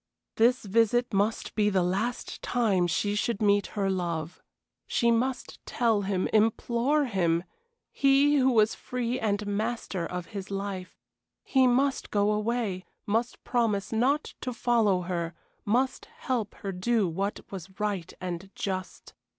This visit must be the last time she should meet her love. She must tell him, implore him he who was free and master of his life; he must go away, must promise not to follow her, must help her to do what was right and just.